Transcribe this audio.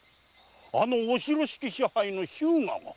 あの御広敷支配の日向が。